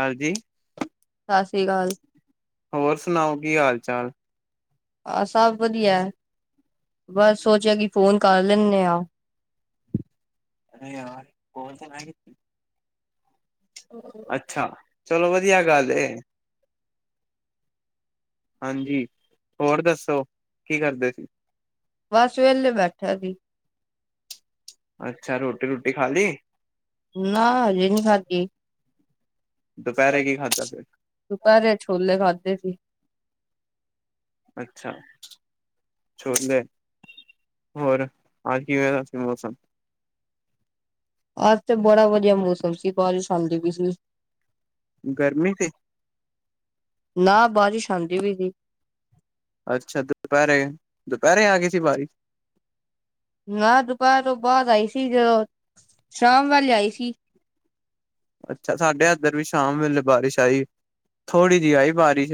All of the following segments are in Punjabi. ਹਾਂਜੀ। ਸਾਸੀ ਕਾਲ। ਹੋਰ ਸੁਨਾਓ ਕੀ ਹਾਲ ਚਾਲ? ਆ ਸਬ ਵਦੀਆ ਐ, ਬਸ ਸੋਚੇਆ ਕਿ ਫੋਨ ਕਾਰ ਲੈਂਨੇ ਆ। [unintelligible] [inaudible] ਅੱਛਾ, ਚਲੋ ਵਦੀਆ ਗੱਲ ਏ। ਹਾਂਜੀ, ਹੋਰ ਦੱਸੋ, ਕੀ ਕਰਦੇ ਸੀ? ਬਾੱਸ ਵੇਲੇ ਬੈਠੇਆ ਸੀ। ਅੱਛਾ, ਰੋਟੀ ਰੂਟੀ ਖਾ ਲੀ? ਨਾ, ਹਜੇ ਨੀ ਖਾੱਦੀ। ਦੁਪੈਰੇ ਕੀ ਖਾੱਦਾ ਫੇਰ? ਦੁਪੈਰੇ ਛੋਲੇ ਖਾਦੇ ਸੀ। ਅੱਛਾ। ਛੋਲੇ, ਹੋਰ ਆਜ ਕੀਵੇਂ ਦਾ ਸੀ ਮੌਸਮ? ਆਜ ਤੇ ਬੜਾ ਵਦੀਆ ਮੌਸਮ ਸੀ, ਬਾਰੀਮ਼ ਆਂਦੀ ਪੀ ਸੀ। ਗਰਮੀ ਸੀ? ਨਾ, ਬਾਰੀਮ਼ ਆਂਦੀ ਪੀ ਸੀ। ਅੱਛਾ, ਤੇ ਦੁਪੈਰੇ, ਦੁਪੈਰੇ ਆਗੀ ਸੀ ਬਾਰੀਮ਼? ਨਾ ਦੁਪੈਰ ਤੋ ਬਾਦ ਆਈ ਸੀ, ਜਦੋਂ ਸ਼ਾਮ ਵੇਲੇ ਆਈ ਸੀ। ਅੱਛਾ, ਸਾਡੇ ਏਦੱਰ ਵੀ ਸ਼ਾਮ ਵੇਲੇ ਬਾਰਿਸ਼ ਆਈ, ਥੋੜੀ ਜੀ ਆਈ ਬਾਰੀਸ਼।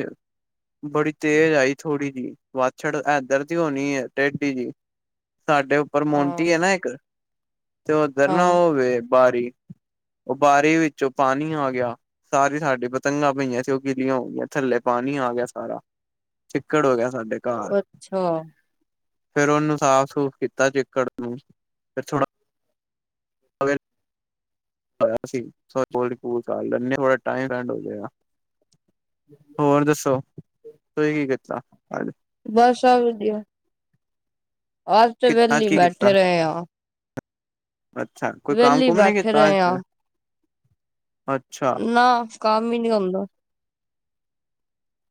ਬੜੀ ਤੇਜ ਆਈ ਥੋੜੀ ਜੀ, ਵਾਛੜ ਐਦੱਰ ਦੀ ਹੋਨੀ ਏ, ਟੇਡੀ ਜੀ। ਸਾਡੇ ਉੱਪਰ ਮੋਂਟੀ ਹਾਂ ਏ ਨਾ ਏੱਕ, ਤੇ ਓਦੱਰ ਨਾ ਹਾਂ ਓ ਵੇ ਬਾਰੀ ਉਹ ਬਾਰੀ ਵਿੱਚੋਂ ਪਾਨੀ ਆ ਗੇਆ। ਸਾਰੀ ਸਾਡੀ ਪਤੰਗਾਂ ਪਈਆਂ ਸੀ, ਓ ਗਿੱਲੀਆਂ ਹੋ ਗੀਆਂ, ਥੱਲੇ ਪਾਨੀ ਆ ਗੇਆ ਸਾਰਾ। ਚਿੱਕੜ ਹੋ ਗੇਆ ਸਾਡੇ ਘਾਰ। ਅੱਛਾ ਫੇਰ ਓਨੂੰ ਸਾਫ਼ ਸੂਫ਼ ਕੀਤਾ ਚਿੱਕੜ ਨੂੰ, ਫੇਰ ਥੋੜਾ [unintelligible] [unintelligible] ਟਾਈਮ ਐਂਡ ਹੋ ਜੇਗਾ। ਹੋਰ ਦੱਸੋ, ਤੁਹੀ ਕੀ ਕੀਤਾ ਆੱਜ? ਬੱਸ ਸਬ ਵਦੀਆ। ਆਜ ਤੇ ਅੱਜ ਵੈਲੇ ਈ ਕੀ ਕੀਤਾ ਬੈਠੇ ਰਏਂ ਆਂ। ਅੱਛਾ, ਕੋਈ ਕਾੰਮ ਕੁੰਮ ਨੀ ਬੈਠੇ ਕੀਤਾ ਆਜ ਰਹੇ ਆ ਫੇਰ? ਨਾ, ਕਾੰਮ ਹੀ ਨੀ ਹੋਂਦਾ।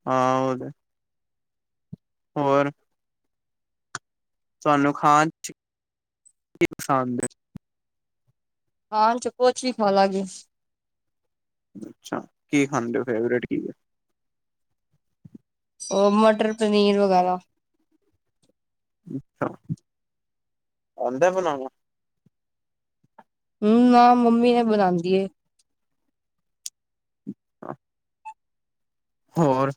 ਹਾਂ, ਓਦੇ। ਹੋਰ? ਤੂਆਨੂੰ ਖਾਨ ਚ ਕੀ ਪਸੰਦ ਏ? ਖਾਨ ਚ, ਕੋੱਛ ਵੀ ਖਾ ਲਾਗੀ। ਅੱਛਾ, ਕੀ ਖਾਂਦੇ ਓ, ਫੇਵਰੇਟ ਕੀ ਏ? ਓ ਮਟਰ, ਪਨੀਰ ਵਗੈਰਾ। ਛਾ, ਆਂਦੈ ਬਨਾਨਾ? ਹੂੰ, ਨਾ ਮੰਮੀ ਨੇ ਬਨਾਂਦੀ ਏ। ਆ। ਹੋਰ,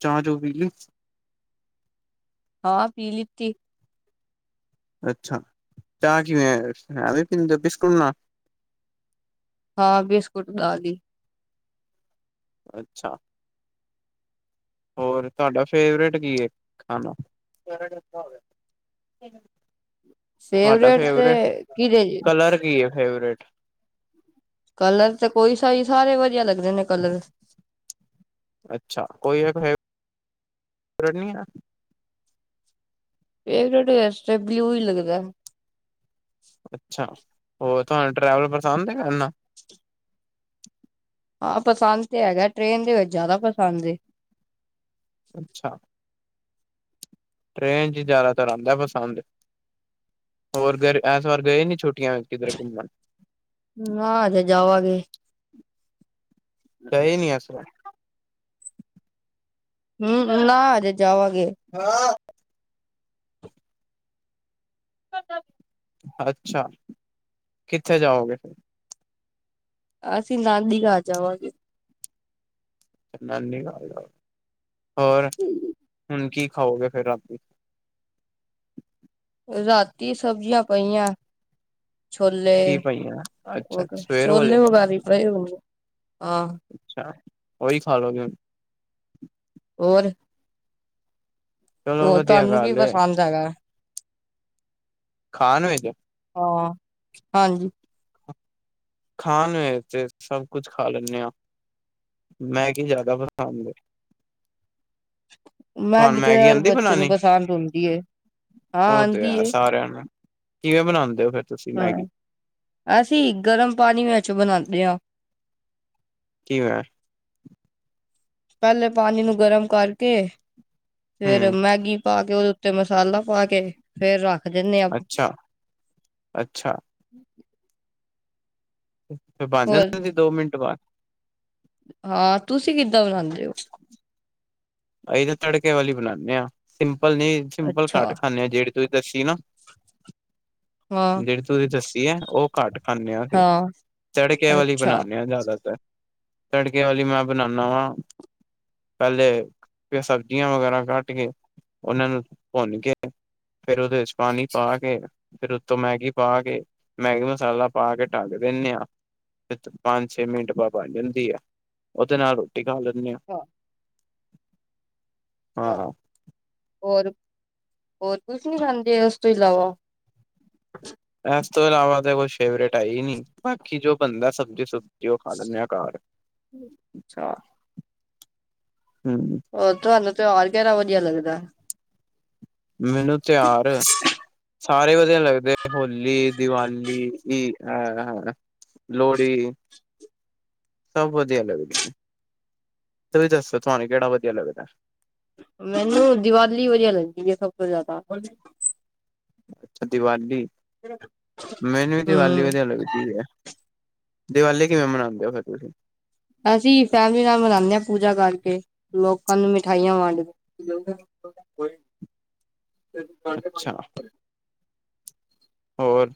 ਚਾ ਚੂ ਪੀ ਲੀ? ਹਾਂ, ਪੀ ਲਿੱਤੀ। ਅੱਛਾ, ਚਾਅ ਕਿਵੇਂ ਐਂਵੇ ਪੀਂਦੇ ਓ ਬਿਸਕੁਟ ਨਾਲ? ਹਾਂ, ਬਿਸਕੁਟ ਨਾਲ ਈ। ਅੱਛਾ। ਹੋਰ, ਤੂਆਡਾ ਫੇਵਰੇਟ ਕੀ ਹੈ ਖਾਨਾ? ਤੁਹਾਡਾ ਫੇਵਰੇਟ ਕਿਹਦੇ ਕਲਰ ਕੀ ਹੈ ਫੇਵਰੇਟ ਕਲਰ ਤਾਂ ਕੋਈ ਸਹੀ, ਸਾਰੇ ਵਧੀਆ ਲੱਗਦੇ ਨੇ ਕਲਰ ਅੱਛਾ ਕੋਈ ਹੈ ਫੇਵਰੇਟ ਵੇ ਐਸ ਟਾਈਪ ਊਹੀ ਲੱਗਦਾ ਅੱਛਾ, ਹੋਰ ਤੁਹਾਨੂੰ ਟਰੈਵਲ ਪਸੰਦ ਹੈਗਾ ਕਰਨਾ ਹਾਂ ਪਸੰਦ ਤੇ ਹੈਗਾ, ਟ੍ਰਰੇਨ ਦੇ ਵਿੱਚ ਜ਼ਿਆਦਾ ਪਸੰਦ ਏ ਅੱਛਾ ਟ੍ਰੇਨ ਚ ਜ਼ਿਆਦਾਤਰ ਆਉਂਦਾ ਪਸੰਦ ਹੋਰ ਫਿਰ, ਐਸ ਵਾਰ ਗਏ ਨੀ ਛੁਟਿਆਂ ਚ, ਕਿਧਰੇ ਘੁੰਮਣ ਨਾ ਹਜੇ ਜਾਵਾਂਗੇ। ਗਏ ਨੀ ਐਸ ਵਾਰ ਹੂੰ, ਨਾ ਹਜੇ ਜਾਵਾਂਗੇ ਹਾਂ ਅੱਛਾ ਕਿੱਥੇ ਜਾਓਗੇ। ਅਸੀਂ ਨਾਨੀ ਘਾਰ ਜਾਵਾਗੇ ਨਾਨੀ ਘਾਰ ਜਾਯੋਗੇ, ਹੋਰ ਹੁਣ ਕੀ ਖਾਓਗੇ ਫੇਰ ‌ਰਾਤੀ। ਰਾਤੀ ਸਬਜ਼ੀਆਂ ਪਈਆਂ ਐ। ਛੋਲੇ ਕੀ ਪਈਆਂ ਵ, ਅੱਛਾ ਸਵੇਰ ਵਾਲੇ ਛੋਲੇ ਵਗੈਰੇ ਹੀ ਪਏ ਹੁਣ। ਆਹ ਅੱਛਾ, ਉਹੀ ਖਾ ਲੋਗੇ ਹੋਰ ਚਲੋ ਹੋਰ, ਵਧੀਆ ਤੁਹਾਨੂੰ ਕੀ ਗੱਲ ਏ ਪਸੰਦ ਹੈਗਾ ਖਾਣ ਵਿੱਚ ਹਾਂ ਹਾਂਜੀ ਖਾਣ ਵਿਚ, ਸਭ ਕੁੱਝ ਖਾ ਲੈਨੇ ਆਂ ਮੈਂ ਕੀ ਜ਼ਿਆਦਾ ਪਸੰਦ ਤੁਹਾਨੂੰ ਮੈਗੀ ਤੇ ਯਾਰ, ਆਂਦੀ ਬੱਚੇ ਨੂੰ ਬਣਾਣੀ ਪਸੰਦ ਹੁੰਦੀ ਹੈ ਉਹ ਤੇ ਹੈ ਸਾਰਿਆਂ ਨੂੰ, ਕਿਵੇਂ ਬਣਾਉਂਦੇ ਹੋ ਫਿਰ ਤੁਸੀਂ ਹਾ, ਮੈਗੀ ਅਸੀਂ ਗਰਮ ਪਾਣੀ ਵਿੱਚ ਬਣਾਉਂਦੇ ਹਾਂ ਕੀ ਹੋਇਆ ਪਹਿਲੇ ਪਾਣੀ ਨੂੰ ਗਰਮ ਕਰਕੇ ਫੇਰ ਹੂੰ ਮੈਗੀ ਪਾ ਕੇ ਉਹਦੇ ਤੇ ਮਸਾਲਾ ਪਾ ਕੇ ਫੇਰ ਰੱਖ ਦੇਨੇ ਅੱਛਾ ਅੱਛਾ। ਬਣ ਹੋਰ ਜਾਂਣੀ ਸੀ, ਦੋ ਮਿੰਟ ਬਾਅਦ। ਹਾਂ, ਤੁਸੀਂ ਕਿੱਦਾਂ ਬਣਾਉਂਦੇ ਓ। ਅਸੀ ਤਾਂ ਤੜਕੇ ਵਾਲੀ ਬਣਾਉਂਦੇ ਆ, ਸਿੰਪਲ ਨਹੀਂ ਸਿੰਪਲ ਘੱਟ ਅੱਛਾ ਖਾਂਦੇ ਆ, ਜਿਹੜੀ ਤੁਸੀਂ ਦੱਸੀ ਨਾ, ਹਾਂ ਜਿਹੜੀ ਤੂੰ ਦੱਸੀ ਏ ਨਾ, ਉਹ ਘੱਟ ਖਾਂਦੇ ਆ ਅਸੀਂ, ਹਾਂ ਝੜਕੇ ਵਾਲੀ ਅੱਛਾ ਬਣਾਉਂਦੇਨੇ ਆ, ਜ਼ਿਆਦਾਤਰ। ਤੜਕੇ ਵਾਲੀ ਮੈਂ ਬਣਾਉਦਾ ਵਾਂ, ਪਹਿਲੇ ਫਿਰ ਸਬਜ਼ੀਆਂ ਵਗੈਰਾ ਕੱਟ ਕੇ, ਉਹਨਾਂ ਨੂੰ ਭੁੰਨ ਕੇ ਫੇਿਰ ਉਹਦੇ ਚ ਪਾਣੀ ਪਾ ਕੇ, ਫਿਰ ਉਹ ਤੋ ਮੈਗੀ ਪਾ ਕੇ ਮੈਗੀ ਮਸਾਲਾ ਪਾ ਕੇ ਢੱੱਕ ਦਿੰਦੇ ਆ। ਪੰਜ-ਛੇ ਮਿੰਟ ਬਾਅਦਬਣ ਜਾਂਦੀ ਐ, ਉਹਦੇ ਨਾਲ ਰੋਟੀ ਖਾ ਲੈਂਨੇ ਆ। ਛਾ [unintelligible] ਹਾਂ ਹਾਂ ਹੋਰ, ਹੋਰ ਕੁਛ ਨੀ ਖਾਂਦੇ, ਉਸ ਤੋਂ ਇਲਾਵਾ ਏਸ ਤੋਂ ਇਲਾਵਾ ਤਾਂ ਕੋਈ ਫੇਵਰੇਟ ਹੈ ਹੀ ਨੀ, ਬਾਕੀ ਜੋ ਬੰਦਾ ਸਬਜੀ ਸਬ ਤੇ ਉਹ ਖਾ ਲੈਂਨੇ ਆ ਘਾਰ, ਅੱਛਾ ਹੂੰ ਉਹ ਤੁਹਾਨੂੰ ਤਿਉਹਾਰ ਕਹਿਣਾ ਵਧੀਆ ਲੱਗਦਾ ਐ? ਮੈਨੂੰ ਤਿਆਹਰ ਸਾਰੇ ਵਧੀਆ ਲੱਗਦੇ। ਹੋਲੀ, ਦੀਵਾਲੀ, ਅਹ ਹ ਲੋਹੜੀ, ਸਭ ਵਧੀਆ ਲੱਗਦੇ। ਤੁਸੀ ਦੱਸੋ, ਤੁਹਾਨੂੰ ਕਿਹੜਾ ਵਧੀਆ ਲਗਦਾ ਐ? ਮੈਨੂੰ ਦੀਵਾਲੀ ਵਧੀਆ ਲੱਗਦੀ ਏ, ਸਭ ਤੋਂ ਜਿਆਦਾ। ਅੱਛਾ, ਦੀਵਾਲੀ, ਮੈਨੂੰ ਵੀ ਦੀਵਾਲੀ ਹੂੰ ਵਧੀਆ ਲੱਗਦੀ ਹੈ। ਦੀਵਾਲੀ ਕਿਵੇਂ ਮਨਾਉਂਦੇ ਹੋ ਫਿਰ, ਤੁਸੀ? ਅਸੀਂ ਫੈਮਿਲੀ ਨਾਲ ਮਣਾਂਨੇ ਆ, ਪੂਜਾ ਕਰਕੇ, ਲੋਕਾਂ ਨੂੰ ਮਿਠਾਈਆਂ ਵੰਡਕੇ ਅੱਛਾ [unintelligible] ਹੋਰ?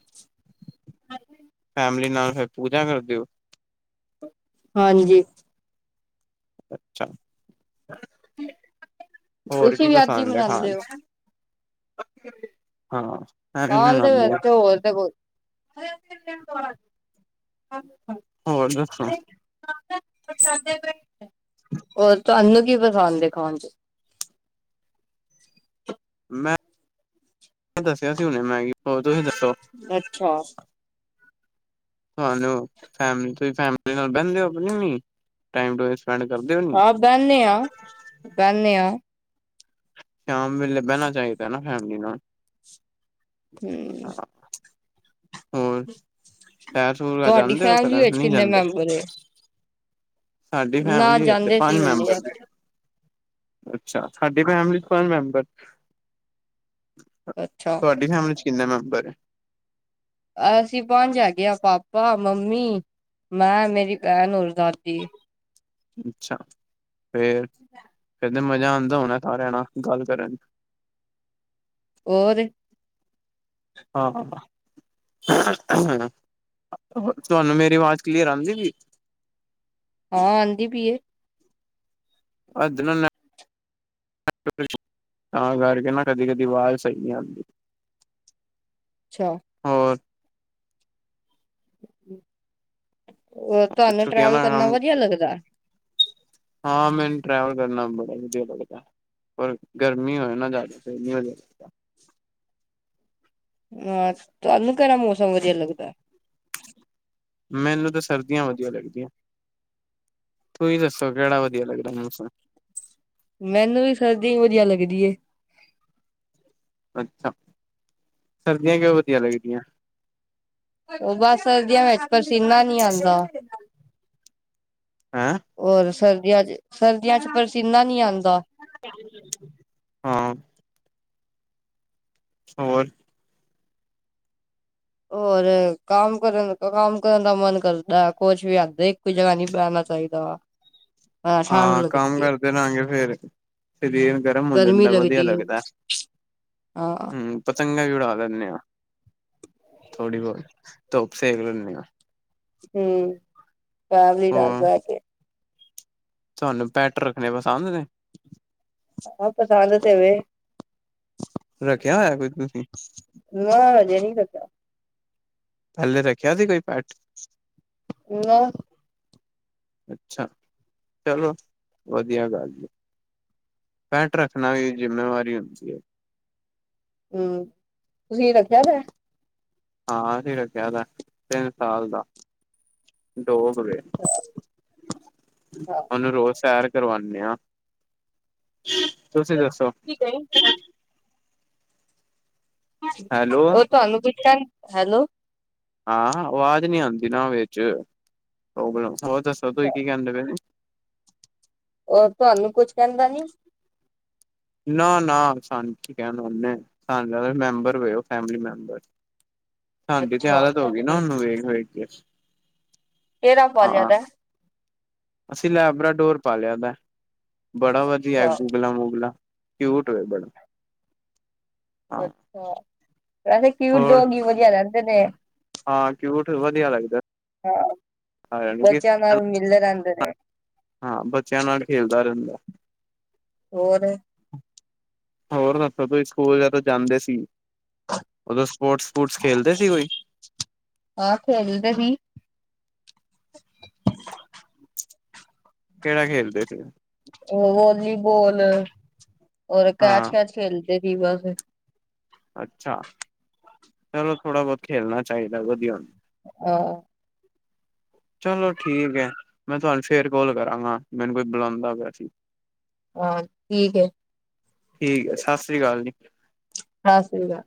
ਹਾਂ ਫੈਮਲੀ ਨਾਲ ਫਿਰ ਪੂਜਾ ਕਰਦੇ ਓ? ਹਾਂਜੀ। ਅਛਾ। ਤੁਸੀਂ ਵੀ ਐਦੀ ਮਨਾਂਉਦੇ ਹੋ? ਹਾਂ ਹਾਂ ਫੈਮਲੀ ਹੋਰ ਨਾਲ ਤੇ ਆਉਂਦੇ ਆ ਕੋਈ- ਹੋਰ ਦੱਸੋ [unintelligible] ਹੋਰ ਤੁਵਾਂਨੂੰ ਕੀ ਪਸੰਦ ਏ, ਖਾਣ'ਚ? ਮੈਂ ਦੱਸਿਆ ਸੀ ਹੁਣੇ ਮੈਗੀ। ਹੋਰ, ਤੁਸੀ ਦੱਸੋ? ਅਛਾ। ਤੁਹਾਨੂੰ ਫੈਮ ਤੁਸੀਂ ਫੈਮਲੀ ਨਾਲ ਬਹਿੰਦੇ ਹੋ ਕੀ ਨੀ, ਟਾਈਮ ਤੁਸੀ ਸਪੈਂਡ ਕਰਦੇ ਹੋ, ਨਹੀ? ਬਹਿਨੇ ਆਂ-ਬਹਿਨੇ ਆਂ। ਸ਼ਾਮ ਵੇਲੇ ਬਹਿਣਾ ਚਾਹੀਦਾ ਨਾ, ਫੈਮਲੀ ਨਾਲ। ਹੂੰ ਹਾਂ ਹੋਰ ਸੈਰ ਸੂਰ ਤੁਹਾਡੀ ਜਾਂਦੇ ਹੋ ਫੈਮਿਲੀ ਕਰਨ ਵਿੱਚ ਨਹੀਂ ਕਿੰਨੇ ਜਾਂਦੇ ਮੈਂਬਰ ਨੇ? ਸਾਡੀ ਫੈਮਿਲੀ ਵਿੱਚ, ਜਾਂਦੇ ਪੰਜ ਸੀ ਹੁੰਦੇ ਮੈਂਬਰ ਆ ਨੇ। ਅੱਛਾ। ਸਾਡੀ ਫੈਮਿਲੀ'ਚ ਪੰਜ ਮੈਂਬਰ ਅੱਛਾ। ਤੁਹਾਡੀ ਫੈਮਿਲੀ'ਚ ਕਿੰਨੇ ਮੈਂਬਰ ਏ? ਅਸੀਂ ਪੰਜ ਹੈਗੇ ਹਾਂ, ਪਾਪਾ, ਮੰਮੀ ਮੈਂ, ਮੇਰੀ ਭੈਣ, ਹੋਰ ਦਾਦੀ। ਅੱਛਾ ਫੇਰ, ਫਿਰ ਤੇ ਮਜ਼ਾ ਆਂਦਾ ਹੋਣਾ ਸਾਰਿਆ ਨਾਲ, ਗੱਲ ਕਰਨ? ਹੋਰ। ਹਾ, ਤੁਹਾਨੂੰ ਮੇਰੀ ਆਵਾਜ਼ ਕਲੀਅਰ ਆਂਦੀ ਪੀ? ਹਾਂ, ਆਂਦੀ ਪੀਏ। ਅਧ ਨਾਲ ਤਾਂ ਕਰਕੇ ਨਾ, ਕਦੀ-ਕਦੀ ਅਵਾਜ਼ ਸਹੀ ਨਹੀਂ ਆਂਦੀ। [inaudible] ਅੱਛਾ। ਹੋਰ? ਹੋਰ, ਤੁਹਾਂਨੂੰ ਛੁੱਟੀਆਂ ਟਰੈਵਲ ਦਾ ਕਰਨਾ ਕੰਮ ਵਧੀਆ ਲੱਗਦਾ? ਹਾਂ, ਮੈਨੂੰ ਟ੍ਰੈਵਲ ਕਰਨਾ, ਬੜਾ ਵਧੀਆ ਲੱਗਦਾ ਹੈ। ਪਰ ਗਰਮੀ ਹੋਏ ਨਾ [unintelligible] ਜ਼ਿਆਦਾ ਗਰਮੀ ਹੋ ਹਾਂ, ਤੁਵਾਂਨੂੰ ਕਿਹੜਾ ਮੌਸਮ ਵਧੀਆ ਲੱਗਦਾ? ਮੈਨੂੰ ਤਾਂ ਸਰਦੀਆਂ ਵਧੀਆ ਲੱਗਦੀਆਂ, ਤੁਹੀ ਦੱਸੋ, ਕਿਹੜਾ ਵਧੀਆ ਲੱਗਦਾ, ਮੌਸਮ? ਮੈਨੂੰ ਵੀ, ਸਰਦੀ ਵਧੀਆ ਲੱਗਦੀ ਏ। ਅਛਾ। ਸਰਦੀਆਂ ਕਿਉਂ ਵਧੀਆ ਲੱਗਦੀਆਂ? ਉਹ ਬਸ, ਸਰਦੀਆਂ ਵਿਚ ਪਸੀਨਾ ਨੀ ਆਂਦਾ। ਹੈਂ? ਹੋਰ ਸਰਦੀਆਂ'ਚ, ਸਰਦੀਆਂ'ਚ ਪਸੀਨਾ ਨਹੀ ਆਂਦਾ। ਹਾਂ। ਹੋਰ। ਹੋਰ ਕੰਮ ਕਰਨ ਕੰਮ ਕਰਨ ਦਾ ਮਨ ਕਰਦਾ ਕੁਛ ਵੀ ਆਂਦਾ ਇਕ ਜਗ੍ਹਾ ਨਹੀ ਬੈਣਾ ਚਾਹੀਦਾ ਠੰਢ ਹਾਂ ਕੰਮ ਲੱਗਦੀ ਹੈ ਮਿਲਦੇ ਇਹੋ ਫੇਰ ਸਰੀਰ ਗਰਮ ਹੋ ਗਰਮੀ ਜਾਂਦਾ ਵਧੀਆ ਲੱਗਦੀ ਹੈ ਲੱਗਦਾ ਹਾਂ ਪਤੰਗਾਂ ਵੀ ਉਡਾ ਲੈਂਦੇ ਹਾਂ ਥੋੜੀ ਬਹੁਤ ਧੁੱਪ ਸੇਕ ਲੈਂਦੇ ਹਾਂ। ਹੂੰ ਫੈਮਲੀ ਨਾਲ ਹੋਰ ਬਹਿ ਕੇ ਤੁਹਾਨੂੰ ਪੈਟਰ ਰੱਖਣੇ ਪਸੰਦ ਨੇ ਆਾਂ ਪਸੰਦ ਤੇ ਵੇ ਰੱਖਿਆ ਹੋਇਆ ਕੋਈ ਤੁਸੀਂ ਨਾ, ਹਜੇ ਨਹੀਂ ਰਖਿਆ ਪਹਿਲੇ ਰੱਖਿਆ ਸੀ ਕੋਈ ਪੈੱਟ? ਲੈ ਅੱਛਾ ਚਲੋ ਵਧੀਆ ਗੱਲ ਜੇ ਪੈਂਟ ਰੱਖਣਾ ਵੀ ਜ਼ਿੰਮੇਵਾਰੀ ਹੁੰਦੀ ਹੈ। ਹੂੰ, ਤੁਸੀਂ ਰੱਖਿਆ ਏ ਹਾਂ, ਅਸੀਂ ਰੱਖਿਆ ਤਿੰਨ ਸਾਲ ਦਾ ਡੋਗ ਵੇ। ਹਾਂ ਉਹਨੂੰ ਰੋਜ ਸੈਰ ਕਰਵਾਨੇ ਹਾਂ ਤੁਸੀਂ ਦੱਸੋ? ਕਿ ਗਏ ਸਨ ਹੈਲੋ ਉਹ ਤੁਹਾਨੂੰ ਪੁੱਛਦਾ ਹੈਲੋ ਹਾਂ ਆਵਾਜ਼ ਨੀ ਆਉਦੀਵਿਚ ਹੋ ਦੱਸੋ ਤੁਸੀ ਕੀ ਕਹਿੰਦੇ ਪਏ ਉਹ ਤੁਹਾਨੂੰ ਕੁਛ ਕਹਿੰਦਾ ਨੀ ਨਾ- ਨਾ ਸਾਨੂੰ ਕੀ ਕਹਿਨਾ ਉਸਨੇ ਮੈਂਬਰੈ ਫੈਮਲੀ ਮੈਂਬਰ ਸਾਡੀ ਤੇ ਅੱਛਾ ਆਦਤ ਹੋ ਗਈ ਨਾ ਕਿਹੜਾ ਉਹਨੂੰ ਵੇਖ ਵੇਖ ਕੇ ਕਿ ੜਾ ਪਾਲੇਆ ਦਾ ਅਸੀ ਲੈਬਰਾਡੋਰ ਪਾ ਲਿਆ ਦਾ ਬੜਾ ਵਧੀਆ ਅੱਛਾ ਨਾਮੁਗਲਾ ਕਿਊਟ ਹੋ ਦਾ ਅਛਾ ਵੈਸੇ ਕਿਊਟ ਹੋਰ ਡੋਗ ਵਧੀਆ ਰਹਿੰਦੇ ਨੇ ਹਾਂ ਕਿਊਟ ਵਧੀਆ ਲੱਗਦਾ ਹਾਂ ਸਾਰਿਆਂ ਨੂੰ ਕਿ ਬੱਚਿਆਂ ਨਾਲ ਮਿਲਦੇ ਰਹਿੰਦੇ ਨੇ ਹਾਂ ਬੱਚਿਆਂ ਨਾਲ ਖੇਲਦਾ ਰਹਿੰਦਾ ਹੋਰ ਹੋਰ ਦੱਸੋ, ਸਕੂਲ ਜਦੋਂ ਜਾਂਦੇ ਸੀ, ਉਦੋਂ ਸਪੋਰਟਸ, ਸਪੋਰਟਸ ਖੇਲਦੇ ਸੀ ਕੋਈ ਆਹ ਖੇਲਦੇ ਵੀ ਕੇਹੜਾ ਖੇਲਦੇ ਪਏ ਓ ਉਹ ਵਾਲੀਬਲ ਔਰ ਕੈਚ ਹਾਂ -ਕੈਚ ਖੇਲਦੇ ਸੀ ਬਸ ਅੱਛਾ, ਚਲੋ ਥੋੜਾ ਬਹੁਤ ਖੇਲਣਾ ਚਾਹੀਦਾ, ਵਧੀਆ ਉਹ ਚਲੋ ਠੀਕ ਹੈ ਮੈਂ ਤੁਹਾਨੂੰ ਫੇਰ ਕੋਲ ਕਰਾਂਗਾ ਮੈਨੂੰ ਕੋਈ ਬੁਲਾਉਂਦਾ ਪਿਆ ਸੀ। ਹਾਂ ਠੀਕ ਐ। ਠੀਕ ਹੈ, ਸਤਿ ਸ੍ਰੀ ਅਕਾਲ ਜੀ ਸਤਿ ਸ੍ਰੀ ਅਕਾਲ